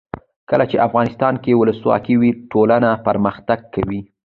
کله چې افغانستان کې ولسواکي وي ټولنه پرمختګ کوي.